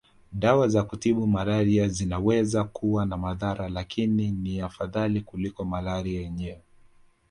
Dawa za kutibu malaria zinaweza kuwa na madhara lakini ni afadhali kuliko malaria yenyewe